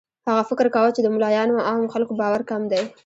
هغه فکر کاوه چې د ملایانو او عامو خلکو باور کم دی.